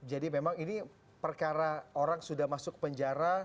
jadi memang ini perkara orang sudah masuk penjara